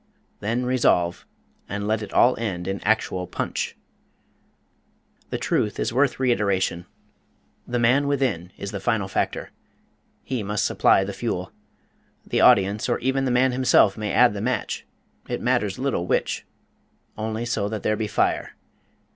Then resolve and let it all end in actual punch. This truth is worth reiteration: The man within is the final factor. He must supply the fuel. The audience, or even the man himself, may add the match it matters little which, only so that there be fire.